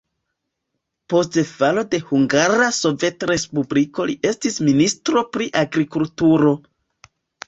Post falo de Hungara Sovetrespubliko li estis ministro pri agrikulturo.